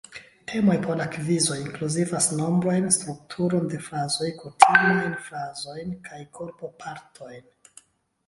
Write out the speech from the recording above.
Temoj por la kvizoj inkluzivas nombrojn, strukturon de frazoj, kutimajn frazojn kaj korpopartojn.